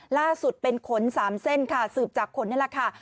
ล่าสุดเป็นขน๓เส้นค่ะสืบจากขนนี่แหละค่ะ